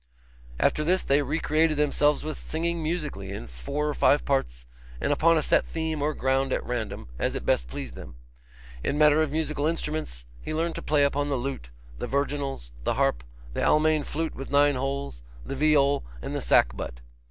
After this they recreated themselves with singing musically, in four or five parts, or upon a set theme or ground at random, as it best pleased them. In matter of musical instruments, he learned to play upon the lute, the virginals, the harp, the Almain flute with nine holes, the viol, and the sackbut.